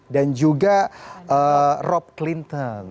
dan juga rob clinton